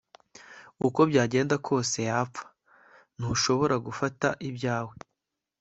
uko byagenda kose yapfaga. ntushobora gufata ibyawe